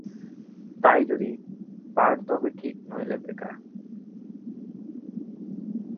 তাই যদি পার তবে ঠিক, নইলে বেকার।